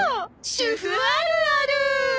主婦あるある！